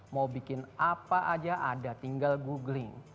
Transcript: mau bikin apa aja ada tinggal googling